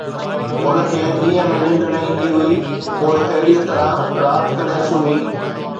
هن کي ڏينهن ۾ ننڊ نه ايندي هئي، پوءِ اهڙيءَ طرح رات ڪڏهن سمهي!